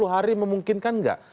enam puluh hari memungkinkan enggak